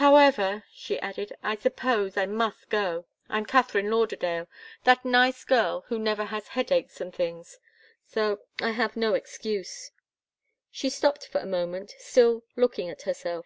"However," she added, "I suppose I must go. I'm Katharine Lauderdale 'that nice girl who never has headaches and things' so I have no excuse." She stopped for a moment, still looking at herself.